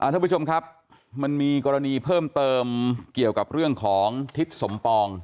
ทุกผู้ชมครับมันมีกรณีเพิ่มเติมเกี่ยวกับเรื่องของทิศสมปอง